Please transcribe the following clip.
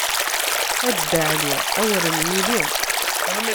A Dda Ɛli awren yuli.